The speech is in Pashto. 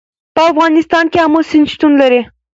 په افغانستان کې آمو سیند شتون لري.